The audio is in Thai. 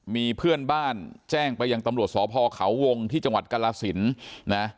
มีเพื่อนบ้านแจ้งไปยังตำรวจสพเขาวงที่จังหวัดกรสินนะ